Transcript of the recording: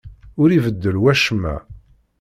Ur ibeddel wacemma.